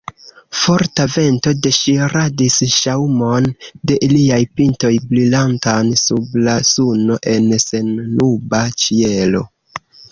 Forta vento deŝiradis ŝaŭmon de iliaj pintoj, brilantan sub la suno en sennuba ĉielo.